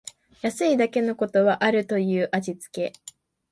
安いだけのことはあるという味つけ